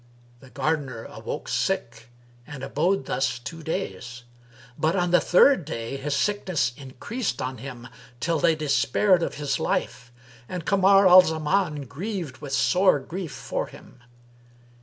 The gardener awoke sick and abode thus two days; but on the third day, his sickness increased on him, till they despaired of his life and Kamar al Zaman grieved with sore grief for him.